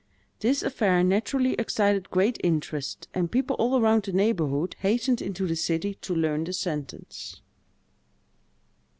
This affair naturally excited great interest, and people all round the neighborhood hastened into the city to learn the sentence.